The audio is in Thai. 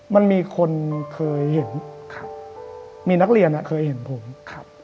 มันมีคนเคยเห็นครับมีนักเรียนอ่ะเคยเห็นผมครับ